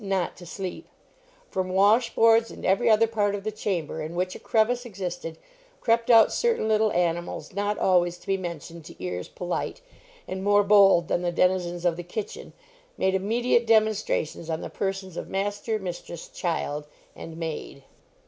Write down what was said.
not to sleep. From washboards and every other part of the chamber in which a crevice existed, crept out certain little animals not always to be mentioned to ears polite, and, more bold than the denizens of the kitchen, made immediate demonstrations on the persons of master, mistress, child, and maid.